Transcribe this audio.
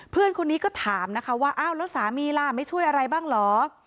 เพื่อนคนนี้ก็ถามนะคะว่าอ้าวแล้วสามีล่ะไม่ช่วยอะไรบ้างเหรอ